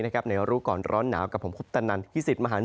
เราจะลองรู้ก่อนร้อนหนาวกับผมคุบตานานฮิสิรรษมหาล